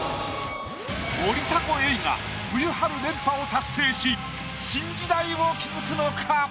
森迫永依が冬春連覇を達成し新時代を築くのか？